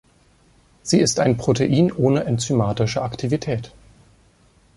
Sie ist ein Protein ohne enzymatische Aktivität.